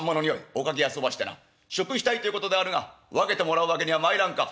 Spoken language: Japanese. お嗅ぎあそばしてな食したいということであるが分けてもらうわけにはまいらんか？」。